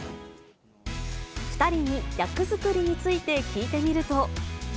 ２人に役作りについて聞いてみると。